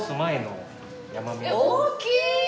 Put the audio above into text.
大きい！